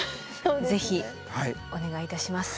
ぜひお願いいたします。